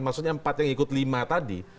maksudnya empat yang ikut lima tadi